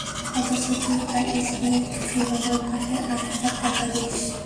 অথচ তুই তার স্কুলের ফি বাবদ মাসে আট হাজার টাকা দিস!